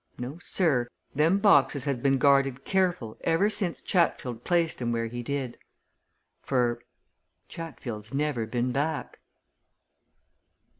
No, sir! them boxes has been guarded careful ever since Chatfield placed 'em where he did. For Chatfield's never been back!"